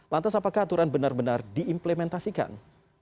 lantas apakah aturan benar benar diimplementasikan